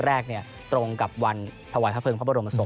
แรกตรงกับวันถวายพระเภิงพระบรมศพ